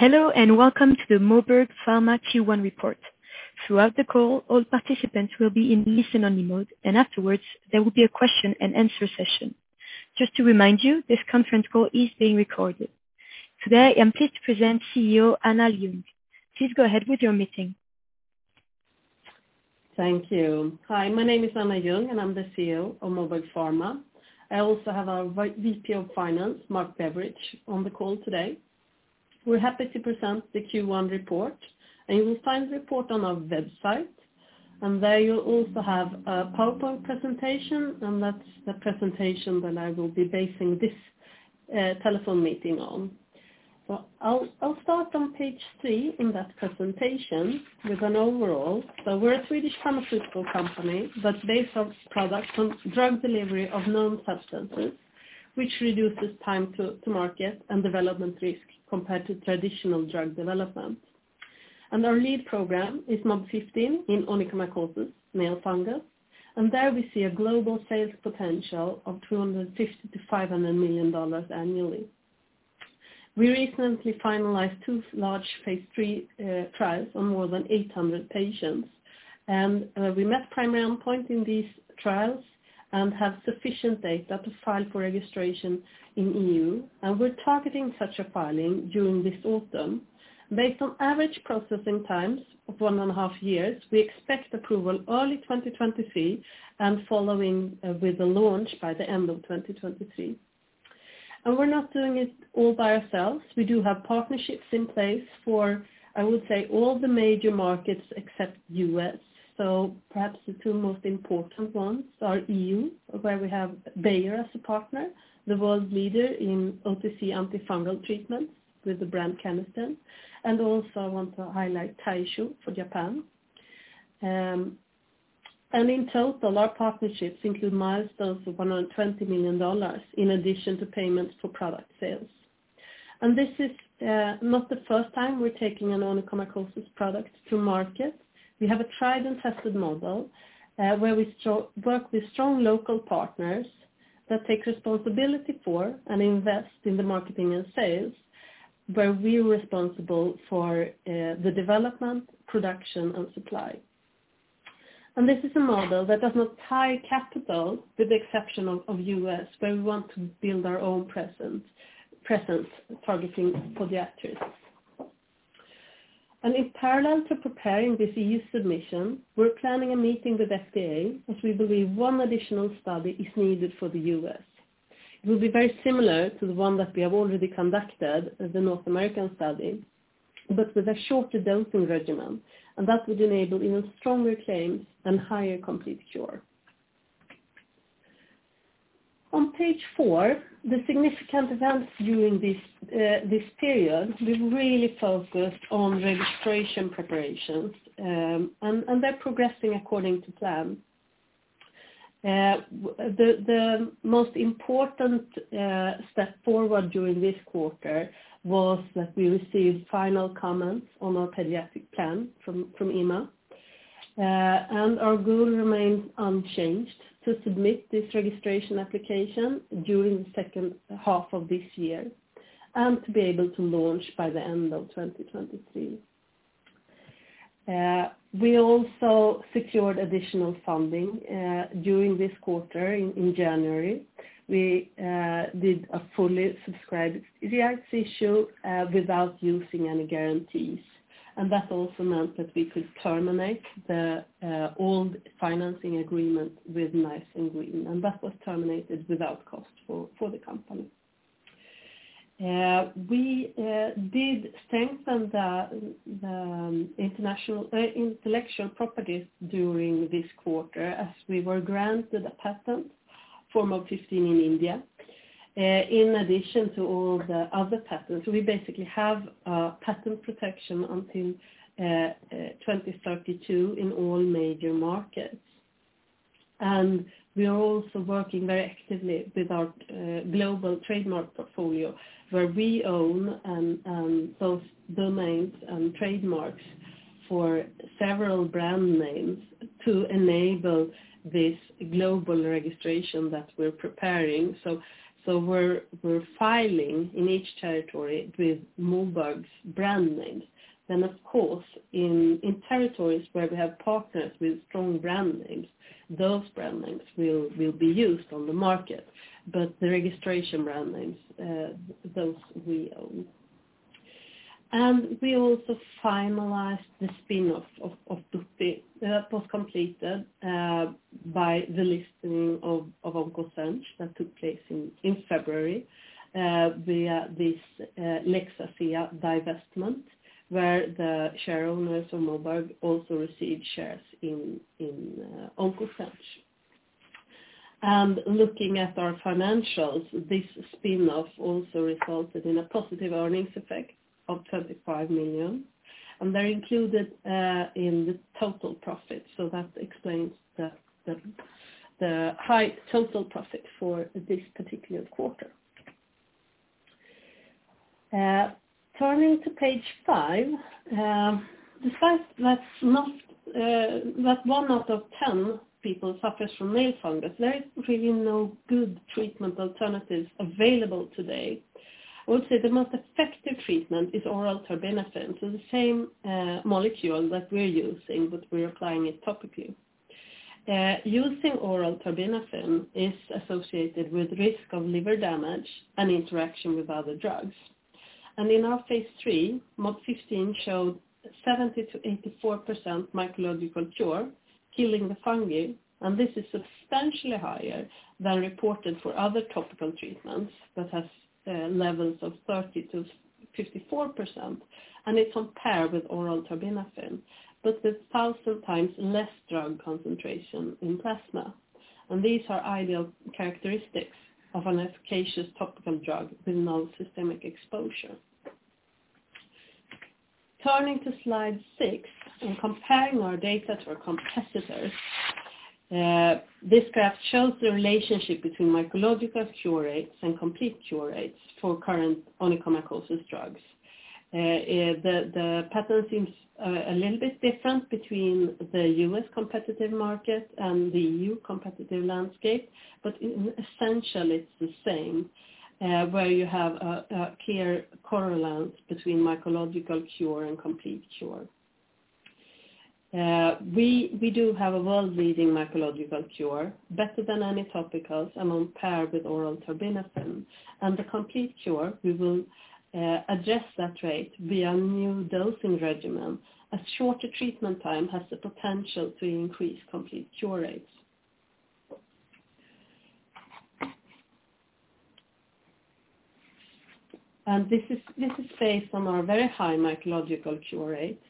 Hello, and welcome to the Moberg Pharma Q1 report. Throughout the call, all participants will be in listen-only mode, and afterwards, there will be a question-and-answer session. Just to remind you, this conference call is being recorded. Today, I'm pleased to present CEO Anna Ljung. Please go ahead with your meeting. Thank you. Hi, my name is Anna Ljung, I'm the CEO of Moberg Pharma. I also have our VP of Finance, Mark Beveridge, on the call today. We're happy to present the Q1 report. You will find the report on our website. There you'll also have a PowerPoint presentation. That's the presentation that I will be basing this telephone meeting on. I'll start on page three in that presentation with an overall. We're a Swedish pharmaceutical company that base our products on drug delivery of known substances, which reduces time to market and development risk compared to traditional drug development. Our lead program is MOB-015 in onychomycosis, nail fungus. There we see a global sales potential of $250 million-$500 million annually. We recently finalized two large phase III trials on more than 800 patients. We met primary endpoint in these trials and have sufficient data to file for registration in EU, and we're targeting such a filing during this autumn. Based on average processing times of one and a half years, we expect approval early 2023, following with the launch by the end of 2023. We're not doing it all by ourselves. We do have partnerships in place for, I would say, all the major markets except U.S. Perhaps the two most important ones are EU, where we have Bayer as a partner, the world leader in OTC antifungal treatment with the brand Canesten, and also I want to highlight Taisho for Japan. In total, our partnerships include milestones of $120 million in addition to payments for product sales. This is not the first time we're taking an onychomycosis product to market. We have a tried and tested model, where we work with strong local partners that take responsibility for and invest in the marketing and sales, where we're responsible for the development, production, and supply. This is a model that does not tie capital with the exception of U.S., where we want to build our own presence targeting podiatrists. In parallel to preparing this EU submission, we're planning a meeting with FDA, as we believe one additional study is needed for the U.S. It will be very similar to the one that we have already conducted as the North American study, but with a shorter dosing regimen. That would enable even stronger claims and higher complete cure. On page four, the significant events during this period, we've really focused on registration preparations, and they're progressing according to plan. The most important step forward during this quarter was that we received final comments on our pediatric plan from EMA. Our goal remains unchanged to submit this registration application during the second half of this year and to be able to launch by the end of 2023. We also secured additional funding during this quarter in January. We did a fully subscribed rights issue without using any guarantees. That also meant that we could terminate the old financing agreement with Nice & Green, and that was terminated without cost for the company. We did strengthen the intellectual properties during this quarter as we were granted a patent for MOB-015 in India. In addition to all the other patents, we basically have a patent protection until 2032 in all major markets. We are also working very actively with our global trademark portfolio, where we own those domains and trademarks for several brand names to enable this global registration that we're preparing. We're filing in each territory with Moberg's brand names. Of course, in territories where we have partners with strong brand names, those brand names will be used on the market. The registration brand names, those we own. We also finalized the spin-off that was completed by the listing of OncoZenge that took place in February via this Lex Asea divestment, where the share owners of Moberg also received shares in OncoZenge. Looking at our financials, this spin-off also resulted in a positive earnings effect of 35 million, and they're included in the total profit. That explains the high total profit for this particular quarter. Turning to page 5, despite that one out of 10 people suffers from onychomycosis, there is really no good treatment alternatives available today. I would say the most effective treatment is oral terbinafine, the same molecule that we're using, but we're applying it topically. Using oral terbinafine is associated with risk of liver damage and interaction with other drugs. In our phase III, MOB-015 showed 70%-84% mycological cure, killing the fungi, and this is substantially higher than reported for other topical treatments that have levels of 30%-54%, and it's on par with oral terbinafine, but with 1,000 times less drug concentration in plasma. These are ideal characteristics of an efficacious topical drug with non-systemic exposure. Turning to slide six, in comparing our data to our competitors, this graph shows the relationship between mycological cure rates and complete cure rates for current onychomycosis drugs. The pattern seems a little bit different between the U.S. competitive market and the EU competitive landscape, but essentially it's the same, where you have a clear correlation between mycological cure and complete cure. We do have a world-leading mycological cure, better than any topicals and on par with oral terbinafine. The complete cure, we will adjust that rate via new dosing regimen. A shorter treatment time has the potential to increase complete cure rates. This is based on our very high mycological cure rates,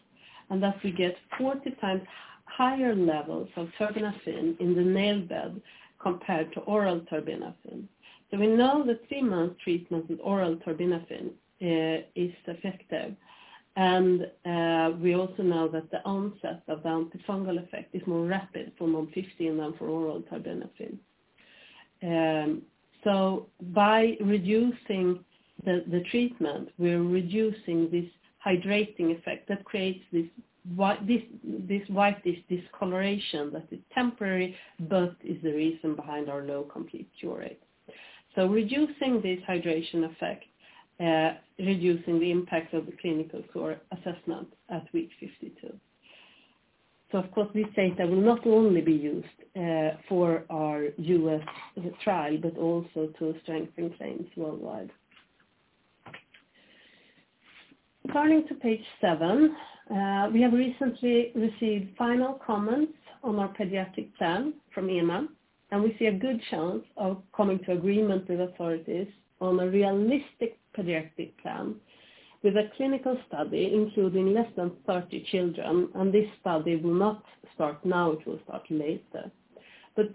and that we get 40 times higher levels of terbinafine in the nail bed compared to oral terbinafine. We know that three month treatment with oral terbinafine is effective, and we also know that the onset of the antifungal effect is more rapid for MOB-015 than for oral terbinafine. By reducing the treatment, we're reducing this hydrating effect that creates this whitish discoloration that is temporary, but is the reason behind our low complete cure rate. Reducing this hydration effect, reducing the impact of the clinical cure assessment at week 52. Of course, this data will not only be used for our U.S. trial, but also to strengthen claims worldwide. Turning to page seven, we have recently received final comments on our pediatric plan from EMA, and we see a good chance of coming to agreement with authorities on a realistic pediatric plan with a clinical study including less than 30 children, and this study will not start now, it will start later.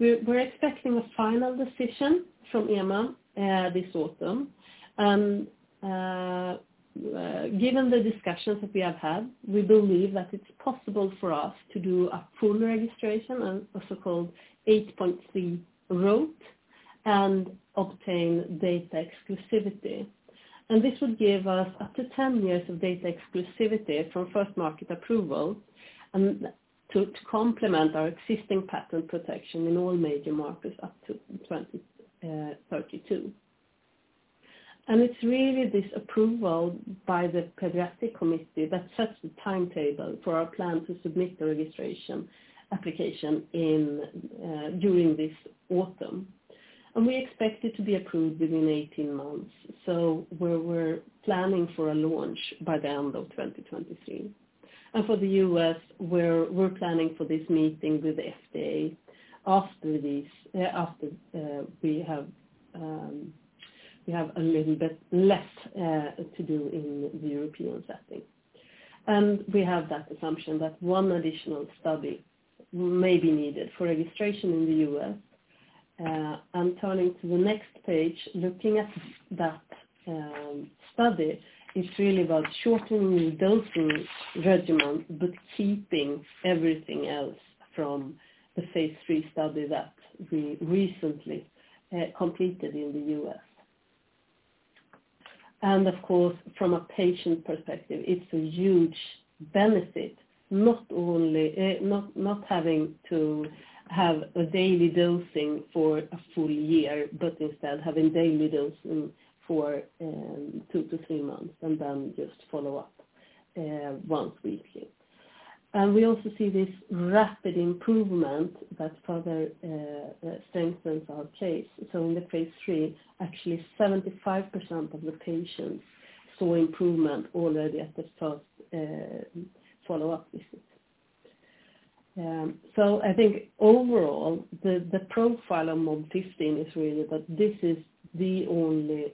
We're expecting a final decision from EMA this autumn. Given the discussions that we have had, we believe that it's possible for us to do a full registration, a so-called 8.3 route, and obtain data exclusivity. This would give us up to 10-years of data exclusivity from first market approval to complement our existing patent protection in all major markets up to 2032. It's really this approval by the pediatric committee that sets the timetable for our plan to submit the registration application during this autumn. We expect it to be approved within 18-months. We're planning for a launch by the end of 2023. For the U.S., we're planning for this meeting with the FDA after we have a little bit less to do in the European setting. We have that assumption that one additional study may be needed for registration in the U.S. Turning to the next page, looking at that study is really about shortening the dosing regimen, but keeping everything else from the phase III study that we recently completed in the U.S. Of course, from a patient perspective, it's a huge benefit, not having to have a daily dosing for a full year, but instead having daily dosing for two to three months, and then just follow up once weekly. We also see this rapid improvement that further strengthens our case. In the phase III, actually 75% of the patients saw improvement already at the first follow-up visit. I think overall, the profile of MOB-015 is really that this is the only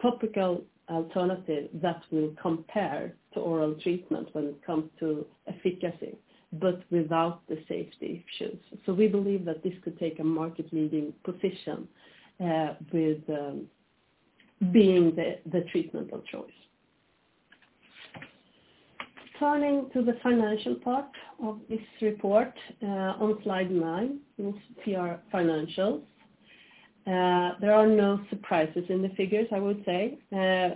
topical alternative that will compare to oral treatment when it comes to efficacy, but without the safety issues. We believe that this could take a market-leading position with being the treatment of choice. Turning to the financial part of this report, on slide nine, PR financials. There are no surprises in the figures, I would say.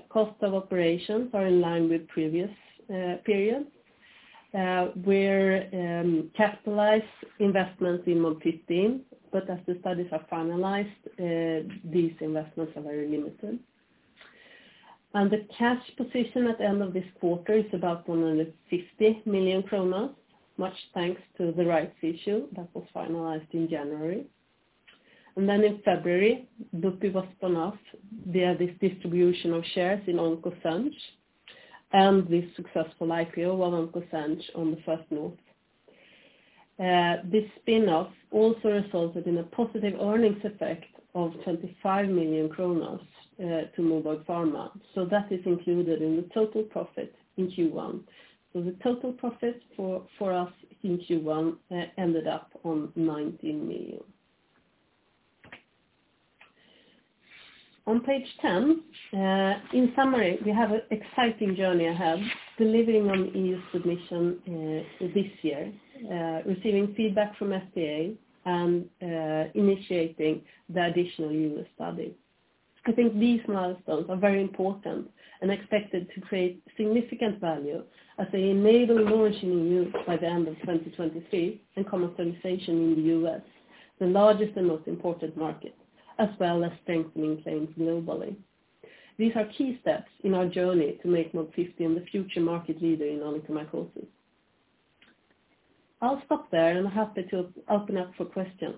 Cost of operations are in line with previous periods. We capitalized investments in MOB-015, but as the studies are finalized, these investments are very limited. The cash position at the end of this quarter is about 150 million kronor, much thanks to the rights issue that was finalized in January. In February, BUPI was spun off via this distribution of shares in OncoZenge, and the successful IPO of OncoZenge on the First North. This spin-off also resulted in a positive earnings effect of 25 million to Moberg Pharma, so that is included in the total profit in Q1. The total profit for us in Q1 ended up on 19 million. On page 10, in summary, we have an exciting journey ahead delivering on EU submission this year, receiving feedback from FDA and initiating the additional U.S. study. I think these milestones are very important and expected to create significant value as they enable launch in EU by the end of 2023 and commercialization in the U.S., the largest and most important market, as well as strengthening claims globally. These are key steps in our journey to make MOB-015 the future market leader in onychomycosis. I'll stop there and happy to open up for questions.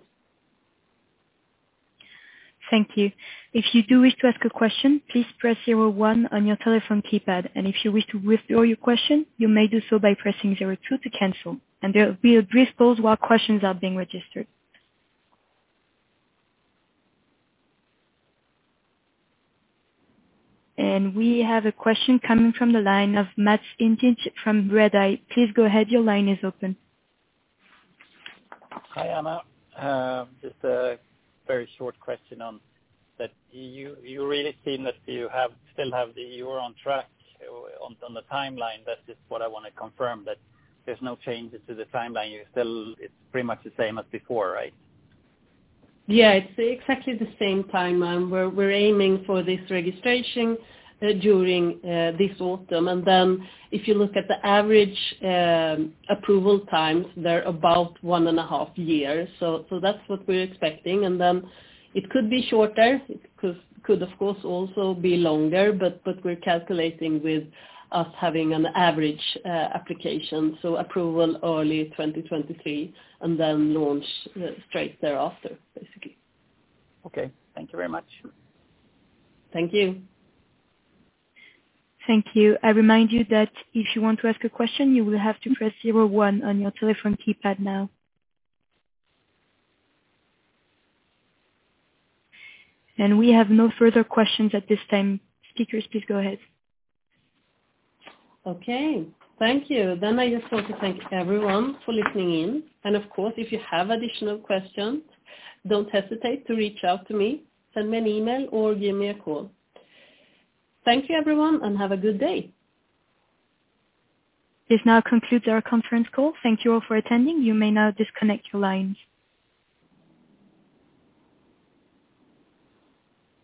Thank you. If you do wish to ask a question, please press zero one on your telephone keypad. If you wish to withdraw your question, you may do so by pressing zero two to cancel. There will be a brief pause while questions are being registered. We have a question coming from the line of Mats Hyttinge from Redeye. Please go ahead. Your line is open. Hi, Anna. Just a very short question on that you really seem that you still have the year on track on the timeline. That is what I want to confirm, that there's no changes to the timeline. It's pretty much the same as before, right? Yeah. It's exactly the same timeline. We're aiming for this registration during this autumn. If you look at the average approval times, they're about one and a half years. That's what we're expecting. It could be shorter. It could, of course, also be longer, but we're calculating with us having an average application, so approval early 2023 and then launch straight thereafter, basically. Okay. Thank you very much. Thank you. Thank you. I remind you that if you want to ask a question, you will have to press zero one on your telephone keypad now. We have no further questions at this time. Speakers, please go ahead. Okay. Thank you. I just want to thank everyone for listening in. Of course, if you have additional questions, don't hesitate to reach out to me, send me an email or give me a call. Thank you, everyone, and have a good day. This now concludes our conference call. Thank you all for attending. You may now disconnect your lines.